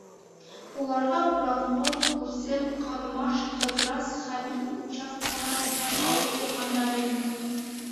Уларға Буранғол, Күсем, Ҡаҙмаш, Ҡырҙас, Хәмит участкалары һәм ауыл урмандары инә.